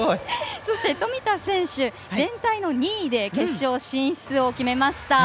そして富田選手全体の２位で決勝進出を決めました。